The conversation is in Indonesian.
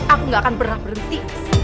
aku gak akan pernah berhenti